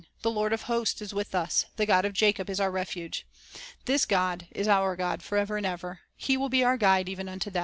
... The Lord of hosts is with us; The God of Jacob is our refuge." " This God is our God forever and ever ; He will be our guide even unto death."